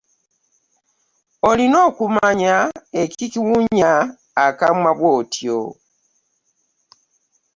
Olina okumanya ekikuwunya akamwa bwotyo.